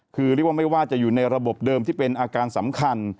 คือเรียกว่าไม่ว่าจะอยู่ในระบบเดิมที่เป็นอาการสำคัญ